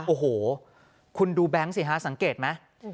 โอ้โหคุณดูแบงค์สิฮะสังเกตไหม